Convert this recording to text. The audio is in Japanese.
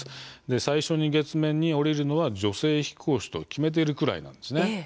最初に月面に降りるのは女性飛行士と決めているぐらいなんです。